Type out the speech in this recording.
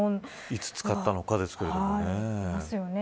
いつ使ったかですけどね。